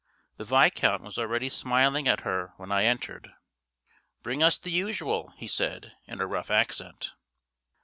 The Viscount was already smiling at her when I entered. "Bring us the usual," he said, in a rough accent.